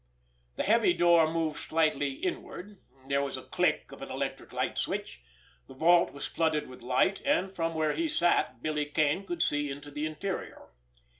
The heavy door moved slightly inward, there was the click of an electric light switch, the vault was flooded with light, and from where he sat Billy Kane could see into the interior.